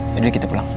jadi kita pulang